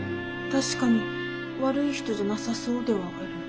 確かに悪い人じゃなさそうではある。